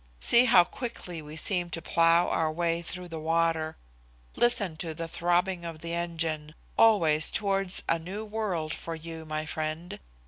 See how quickly we seem to plough our way through the water. Listen to the throbbing of that engine, always towards a new world for you, my friend.